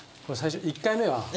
これ最初１回目は。